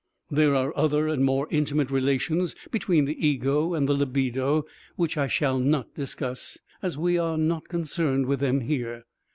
There are other and more intimate relations between the ego and the libido which I shall not discuss, as we are not concerned with them here.